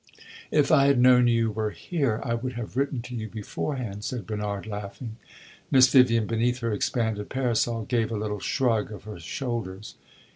"If I had known you were here, I would have written to you beforehand," said Bernard, laughing. Miss Vivian, beneath her expanded parasol, gave a little shrug of her shoulders.